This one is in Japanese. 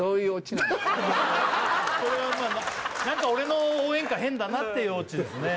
これはまあなんか俺の応援歌変だなっていうオチですね